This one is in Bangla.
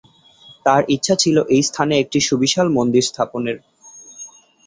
তার ইচ্ছা ছিল এই স্থানে একটি সুবিশাল মন্দির স্থাপনের।